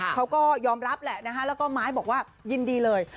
เขาก็ยอมรับแหละนะคะแล้วก็ไม้บอกว่ายินดีเลย